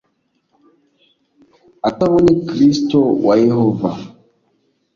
atabonye Kristo wa Yehova